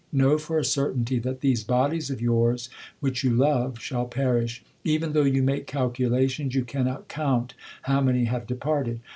Know for a certainty that these bodies of yours which you love shall perish. Even though you make calculations, you cannot count how many have departed.